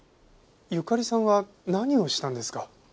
ゆかりさんは何をしたんですか？